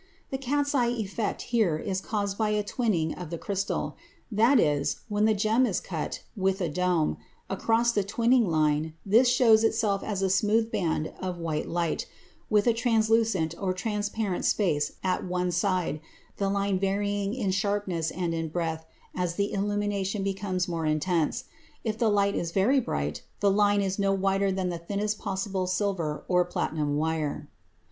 The cat's eye effect here is caused by a twinning of the crystal; that is, when the gem is cut, with a dome, across the twinning line, this shows itself as a smooth band of white light, with a translucent or transparent space at one side, the line varying in sharpness and in breadth as the illumination becomes more intense. If the light is very bright, the line is no wider than the thinnest possible silver or platinum wire.